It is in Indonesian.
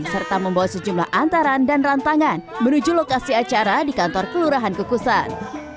serta membawa sejumlah antaran dan rantangan menuju lokasi acara di kantor kelurahan kukusan